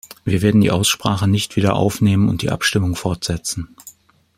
Wir werden die Aussprache nicht wieder aufnehmen und die Abstimmung fortsetzen.